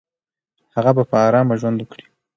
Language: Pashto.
هغه به په آرامه ژوند وکړي.